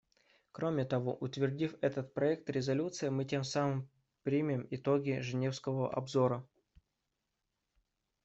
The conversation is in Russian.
Кроме того, утвердив этот проект резолюции, мы тем самым примем итоги женевского обзора.